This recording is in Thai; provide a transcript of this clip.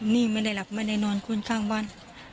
นี่ไม่ได้หลับไม่ได้นอนคนข้างบ้าน